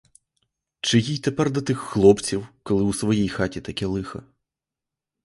Чи їй тепер до тих хлопців, коли у своїй хаті таке лихо?